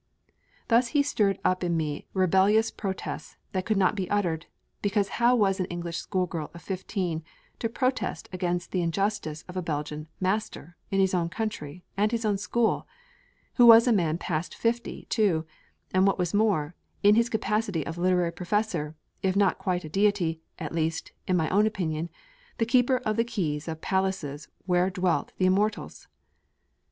Thus he stirred up in me rebellious protests, that could not be uttered; because how was an English schoolgirl of fifteen to protest against the injustice of a Belgian 'Master,' in his own country, and his own school: who was a man past fifty, too; and what was more, in his capacity of literary Professor, if not quite a deity, at least, in my own opinion, the keeper of the keys of palaces where dwelt the Immortals?